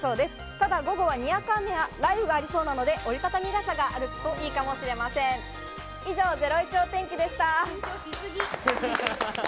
ただ午後はにわか雨や雷雨がありそうなので、折り畳み傘があるといいかもしれません。